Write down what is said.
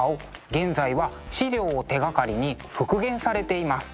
現在は資料を手がかりに復元されています。